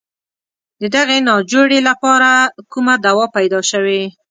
د دغې ناجوړې لپاره کومه دوا پیدا شوې.